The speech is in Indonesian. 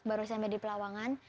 baru sampai di pelawangan